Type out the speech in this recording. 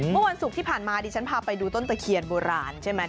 เมื่อวันศุกร์ที่ผ่านมาดิฉันพาไปดูต้นตะเคียนโบราณใช่ไหม